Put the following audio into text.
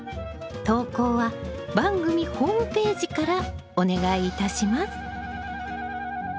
投稿は番組ホームページからお願いいたします。